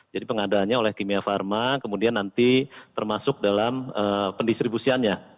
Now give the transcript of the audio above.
jadi pengadanya oleh kimia farma kemudian nanti termasuk dalam pendistribusiannya